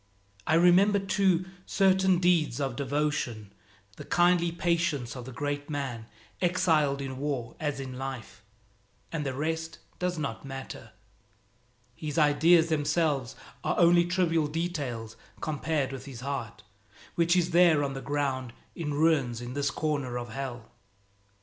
I remember, too, certain deeds of devotion, the kindly patience of the great man, exiled in war as in life and the rest does not matter. His ideas themselves are only trivial details compared with his heart which is there on the ground in ruins in this corner of Hell.